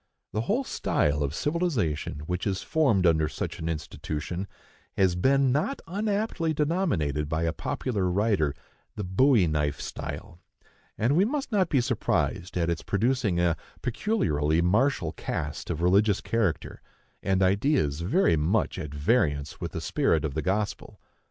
The whole style of civilization which is formed under such an institution has been not unaptly denominated by a popular writer "the bowie knife style;" and we must not be surprised at its producing a peculiarly martial cast of religious character, and ideas very much at variance with the spirit of the gospel.